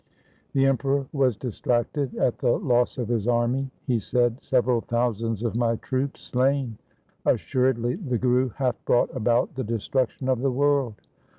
The Emperor was distracted at the loss of his army. He said, ' Several thousands of my troops slain ! Assuredly the Guru hath brought about the destruc tion of the world